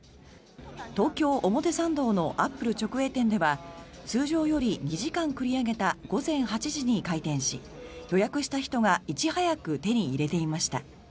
東京・表参道のアップル直営店では通常より２時間繰り上げた午前８時に開店し予約した人がいち早く手に入れていました。